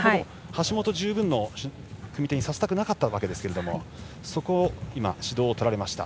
橋本、十分の組み手にさせたくなかったわけですがそこを今、指導を取られました。